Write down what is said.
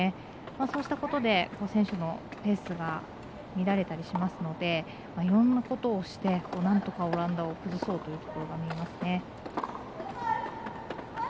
そうしたことで、選手のペースが乱れたりしますのでいろんなことをしてなんとかオランダを崩そうというところが見えますね。